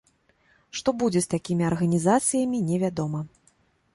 Што будзе з такімі арганізацыямі невядома.